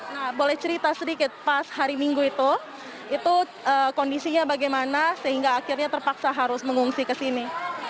nah boleh cerita sedikit pas hari minggu itu itu kondisinya bagaimana sehingga akhirnya terpaksa harus mengungsi ke sini